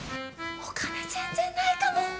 お金全然ないかも。